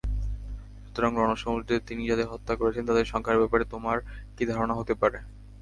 সুতরাং রণসমুদ্রে তিনি যাদের হত্যা করেছেন তাদের সংখ্যার ব্যাপারে তোমার কী ধারণা হতে পারে!